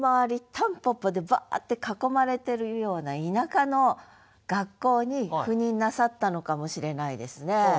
蒲公英でバーッて囲まれてるような田舎の学校に赴任なさったのかもしれないですね。